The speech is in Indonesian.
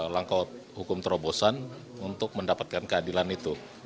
langkah hukum terobosan untuk mendapatkan keadilan itu